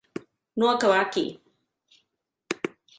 No acabar aquí.